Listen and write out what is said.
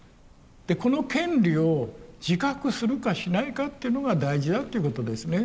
この権利を自覚するかしないかっていうのが大事だっていうことですね。